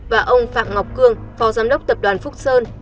và ông phạm ngọc cương phó giám đốc tập đoàn phúc sơn